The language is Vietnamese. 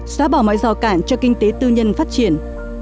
xóa bỏ mọi rào cản cho kinh tế tư nhân phát triển